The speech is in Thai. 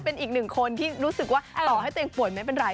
เป็นอีกหนึ่งคนที่รู้สึกว่าต่อให้ตัวเองป่วยไม่เป็นไร